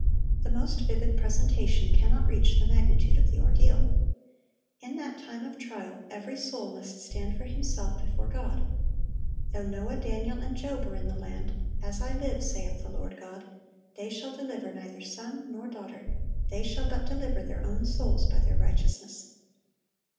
The most vivid presentation cannot reach the magnitude of the ordeal. In that time of trial, every soul must stand for himself before God. "Though Noah, Daniel, and Job" were in the land, "as I live, saith the Lord God, they shall deliver neither son nor daughter; they shall but deliver their own souls by their righteousness."